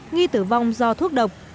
nghi tử vong do thuốc độc